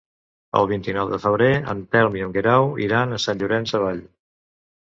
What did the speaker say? El vint-i-nou de febrer en Telm i en Guerau iran a Sant Llorenç Savall.